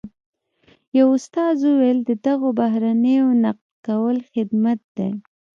یوه استاد وویل د دغو بهیرونو نقد کول خدمت دی.